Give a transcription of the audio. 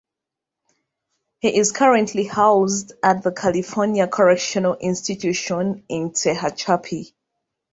He is currently housed at the California Correctional Institution in Tehachapi.